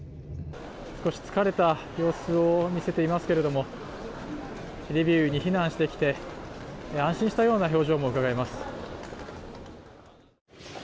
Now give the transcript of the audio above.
少し疲れた様子を見せていますけれども、リビウに避難してきて安心したような表情もうかがえます。